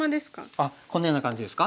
あっこのような感じですか？